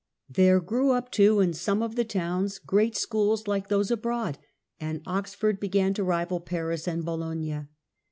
There grew up, too, in some of the towns, great schools like those abroad, and Oxford b^an to rival Paris and Bologna.